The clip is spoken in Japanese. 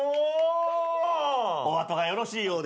お後がよろしいようで。